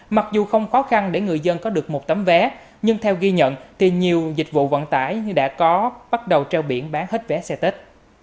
mặc dù không khó khăn để người dân có được một tấm vé nhưng theo ghi nhận thì nhiều dịch vụ vận tải như đã có bắt đầu treo biển bán hết vé xe tết